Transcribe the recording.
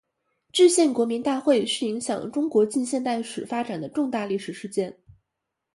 制宪国民大会是影响中国近现代史发展的重大历史事件。